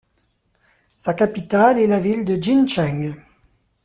Sa capitale est la ville de Jincheng.